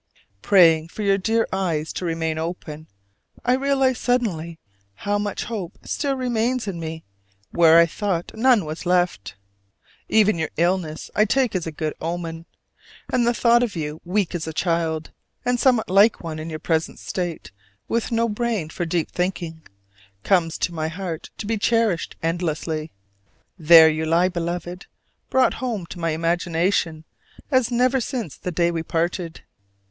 Praying for your dear eyes to remain open, I realize suddenly how much hope still remains in me, where I thought none was left. Even your illness I take as a good omen; and the thought of you weak as a child and somewhat like one in your present state with no brain for deep thinking, comes to my heart to be cherished endlessly: there you lie, Beloved, brought home to my imagination as never since the day we parted.